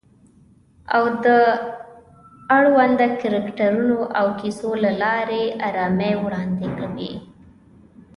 او د اړونده کرکټرونو او کیسو له لارې آرامي وړاندې کوي